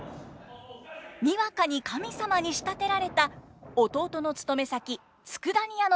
にわかに神様に仕立てられた弟の勤め先佃煮屋の主人。